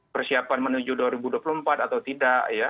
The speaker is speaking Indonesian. persiapan menuju dua ribu dua puluh empat atau tidak ya